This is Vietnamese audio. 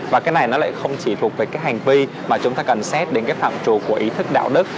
và cái này nó lại không chỉ thuộc về cái hành vi mà chúng ta cần xét đến cái phạm trù của ý thức đạo đức